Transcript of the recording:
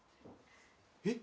「えっ？